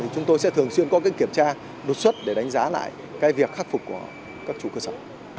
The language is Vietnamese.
chúng tôi sẽ thường xuyên có kiểm tra đột xuất để đánh giá lại việc khắc phục của các chủ cơ sở